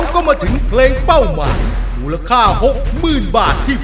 ห่องอื่นนั้นคือราคา